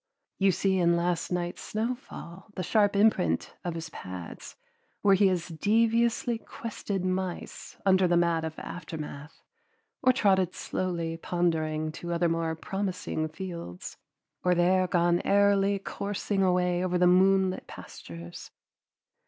You see in last night's snowfall the sharp imprint of his pads, where he has deviously quested mice under the mat of aftermath, or trotted slowly, pondering, to other more promising fields, or there gone airily coursing away over the moonlit pastures.